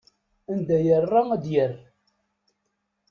Anda yerra ad yerr.